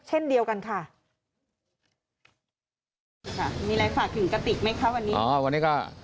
เช่นเดียวกันค่ะ